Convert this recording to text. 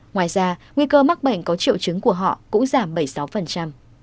ngoài ra nguy cơ mắc bệnh có triệu chứng của họ cũng giảm bảy mươi sáu